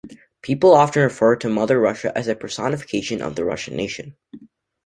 People often refer to Mother Russia as a personification of the Russian nation.